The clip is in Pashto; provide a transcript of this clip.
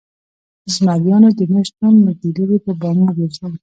ـ زمريانو د نشتون نه ګيدړې په بامو ګرځي